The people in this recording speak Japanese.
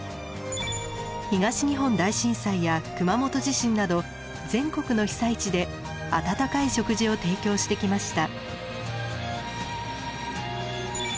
東日本大震災や熊本地震など全国の被災地であたたかい食事を提供してきました。